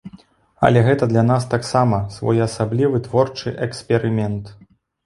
Але гэта для нас таксама своеасаблівы творчы эксперымент.